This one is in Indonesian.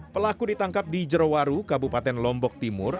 pelaku ditangkap di jerowaru kabupaten lombok timur